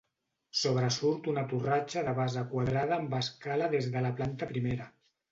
Sobresurt una torratxa de base quadrada amb escala des de la planta primera.